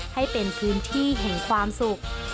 ให้เป็นพื้นที่แห่งความสุข